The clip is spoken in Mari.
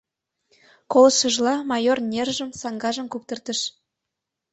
Колыштшыжла, майор нержым, саҥгажым куптыртыш.